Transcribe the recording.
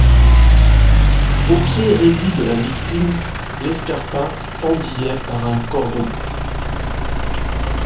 Au pied raidi de la victime, l'escarpin pendillait par un cordon.